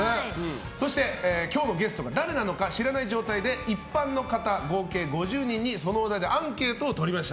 そして今日のゲストが誰なのか知らない状態で一般の方合計５０人に、そのお題でアンケートをとりました。